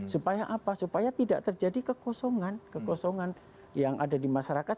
supaya apa supaya tidak terjadi kekosongan kekosongan yang ada di masyarakat